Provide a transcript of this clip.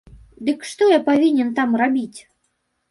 Дык што я павінен там рабіць?